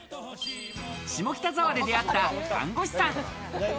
下北沢で出会った看護師さん。